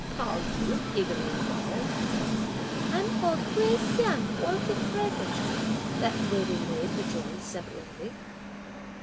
Pao yü eagerly inquired. "I'm called Hui Hsiang, (orchid fragrance)," that waiting maid rejoined simperingly.